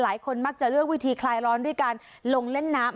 หลายคนมักจะเลือกวิธีคลายร้อนด้วยการลงเล่นน้ำ